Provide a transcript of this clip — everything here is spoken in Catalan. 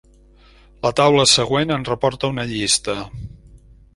La taula següent en reporta una llista.